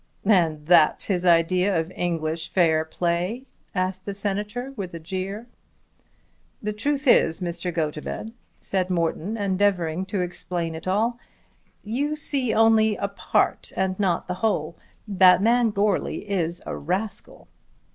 "And that's his idea of English fair play?" asked the Senator with a jeer. "The truth is, Mr. Gotobed," said Morton endeavouring to explain it all, "you see a part only and not the whole. That man Goarly is a rascal."